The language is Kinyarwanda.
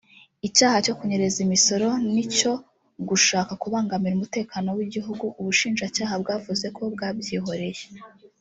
Icyaha byo kunyereza imisoro n’icyo gushaka kubangamira umutekano w’igihugu byo ubushinjacyaha bwavuze ko bwabyihoreye